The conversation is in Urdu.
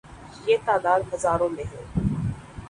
یہ تعداد ہزاروں میں ہے۔